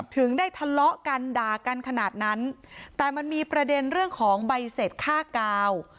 ถึงได้ทะเลาะกันด่ากันขนาดนั้นแต่มันมีประเด็นเรื่องของใบเสร็จค่ากาว